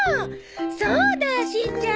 そうだしんちゃん